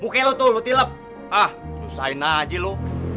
muka lo tuh lo tilep ah susahin aja lo